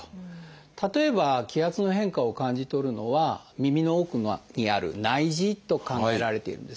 例えば気圧の変化を感じ取るのは耳の奥にある内耳と考えられているんですね。